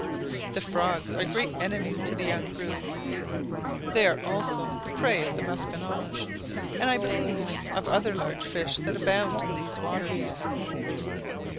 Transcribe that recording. The frogs are great enemies to the young broods; they are also the prey of the masquinonge, and, I believe, of other large fish that abound in these waters.